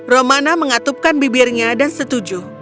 romana mengatupkan bibirnya dan setuju